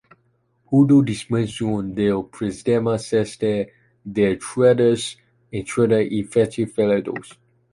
Hubo dimisión del presidente, cese de tres entrenadores y fichajes fallidos.